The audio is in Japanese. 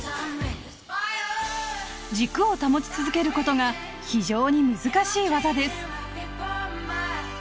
軸を保ち続ける事が非常に難しい技です。